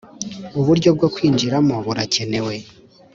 uburyo bwo kwinjiramo burakenewe